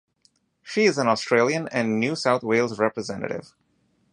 She is an Australian and New South Wales representative.